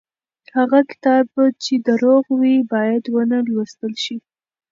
هغه کتاب چې دروغ وي بايد ونه لوستل شي.